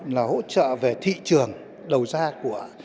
là hỗ trợ về thị trường đầu ra của